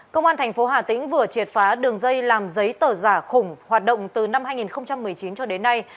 công an thành phố hà tĩnh vừa triệt phá đường dây làm giấy tờ giả khủng hoạt động từ năm hai nghìn một mươi chín cho đến nay